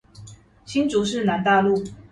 新竹市南大路